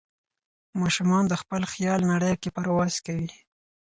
ماشومان د خپل خیال نړۍ کې پرواز کوي.